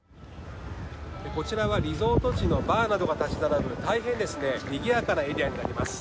こちらはリゾート地のバーなどが建ち並ぶ大変にぎやかなエリアになります。